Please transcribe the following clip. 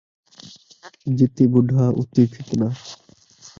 جِتی بڈا اُتی فتنہ